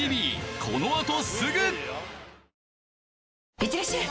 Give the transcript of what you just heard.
いってらっしゃい！